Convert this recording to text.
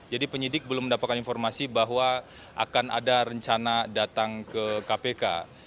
jadi penyidik belum mendapatkan informasi bahwa akan ada rencana datang ke kpk